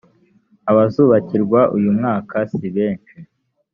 abazubakirwa uyu mwaka sibeshi.